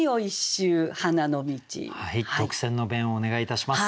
特選の弁をお願いいたします。